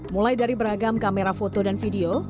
mulai dari beragam kamera foto dan video